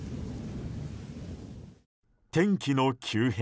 天気の急変。